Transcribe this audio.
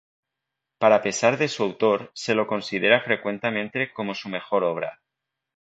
Para pesar de su autor, se lo considera frecuentemente como su mejor obra.